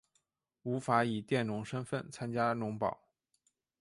无法以佃农身分参加农保